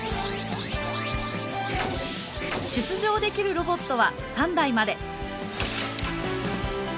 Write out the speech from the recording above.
出場できるロボットは３台まで。